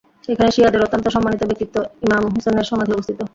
এখানে শিয়াদের অত্যন্ত সম্মানিত ব্যক্তিত্ব ইমাম হুসেনের সমাধি অবস্থিত।